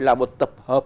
là một tập hợp